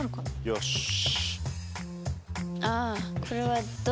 よし。